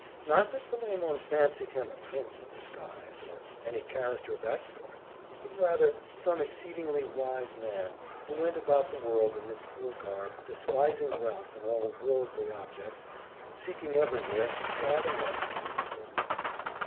Not that Philemon fancied him a prince in disguise, or any character of that sort; but rather some exceedingly wise man, who went about the world in this poor garb, despising wealth and all worldly objects, and seeking everywhere to add a mite to his wisdom.